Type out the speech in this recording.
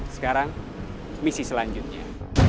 sekarang misi selanjutnya